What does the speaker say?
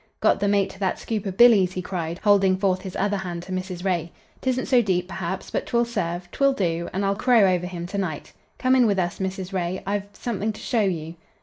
"Got the mate to that scoop of Billy's," he cried, holding forth his other hand to Mrs. Ray. "'Tisn't so deep, perhaps, but 'twill serve, 'twill do, and I'll crow over him to night. Come in with us, Mrs. Ray. I I've something to show you."